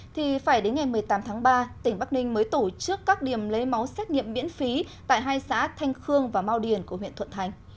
thì phải đến ngày một mươi tám tháng ba tỉnh bắc ninh mới tổ chức các điểm lấy máu xét nghiệm miễn phí tại hai xã thanh khương và mau điền của huyện thuận thành